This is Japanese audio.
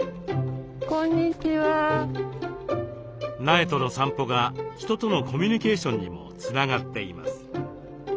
苗との散歩が人とのコミュニケーションにもつながっています。